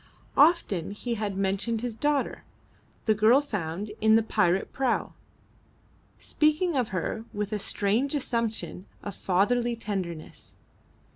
Often he had mentioned his daughter, the girl found in the pirate prau, speaking of her with a strange assumption of fatherly tenderness.